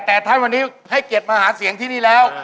แต่ท่านวันนี้ให้เกียรติมาหาเสียงที่นี่แล้ว